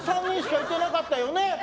３人しか言ってなかったよね？